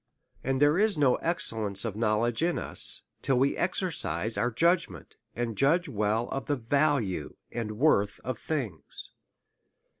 And there is no excellence of any knowledge in us, till we exercise our judgment, and judge well of the value and worth of things.